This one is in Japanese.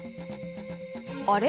あれ？